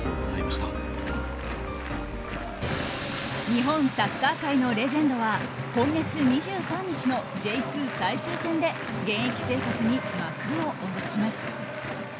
日本サッカー界のレジェンドは今月２３日のＪ２最終戦で現役生活に幕を下ろします。